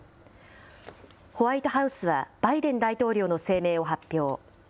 ホワイトハウスはバイデン大統領の声明を発表。